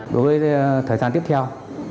đối với thời gian tiếp theo